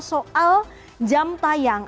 soal jam tayang